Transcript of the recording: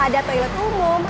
ada toilet yang berbentuk